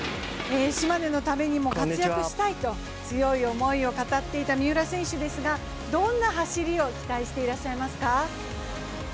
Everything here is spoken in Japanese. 島根のためにも活躍したいと強い思いを語っていた三浦選手ですがどんな走りを期待していますか？